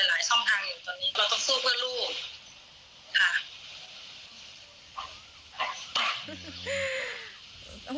หลายช่องทางอยู่ตอนนี้เราต้องสู้เพื่อลูกค่ะ